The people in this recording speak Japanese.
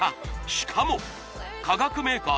しかも科学メーカー